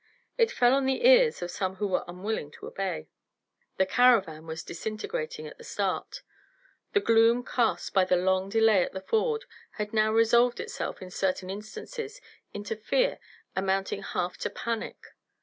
It fell on the ears of some who were unwilling to obey. The caravan was disintegrating at the start. The gloom cast by the long delay at the ford had now resolved itself in certain instances into fear amounting half to panic.